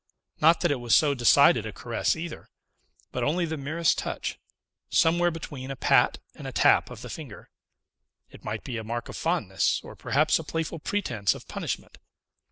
Not that it was so decided a caress either, but only the merest touch, somewhere between a pat and a tap of the finger; it might be a mark of fondness, or perhaps a playful pretence of punishment.